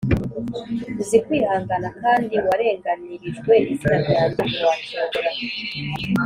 Uzi kwihangana kandi warenganirijwe izina ryanjye ntiwacogora.